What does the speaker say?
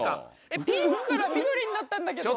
えっピンクから緑になったんだけど。